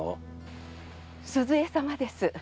鈴江様です。